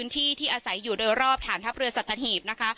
ที่ที่อาศัยอยู่โดยรอบฐานทัพเรือสัตหีบนะคะ